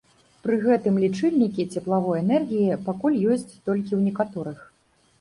Пры гэтым лічыльнікі цеплавой энергіі пакуль ёсць толькі ў некаторых.